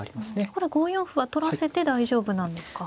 これ５四歩は取らせて大丈夫なんですか。